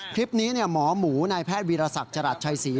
คลิปนี้หมอหมูนายแพทย์วีรศักดิ์จรัสชัยศรี